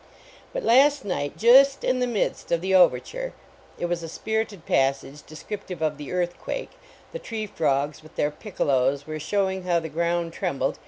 But last night, just in the midst of the overture it was a spirited passage descrip tive of the earthquake the tree frogs, with their piccolos, were showing how the ground tivmhlrd.